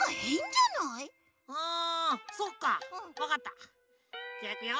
じゃいくよ。